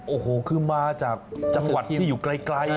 โอ้โหคือมาจากจังหวัดที่อยู่ไกล